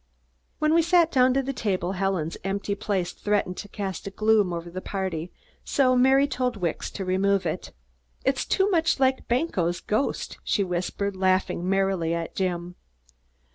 When we sat down to the table, Helen's empty place threatened to cast a gloom over the party, so Mary told Wicks to remove it. "It's too much like Banquo's ghost," she whispered, laughing merrily at Jim.